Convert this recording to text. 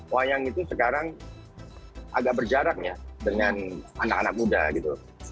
bayang itu sekarang agak berjaraknya dengan anak anak muda gitu